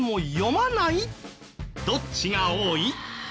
どっちが多い？